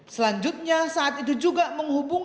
selanjutnya saat itu juga menghubungkan